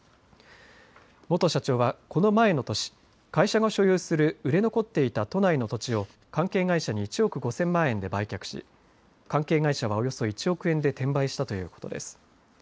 元社長はこの前の年、会社が所有する売れ残っていた都内の土地を関係会社に１億５０００万円で売却し関係会社は、およそ１億円で転売したということです。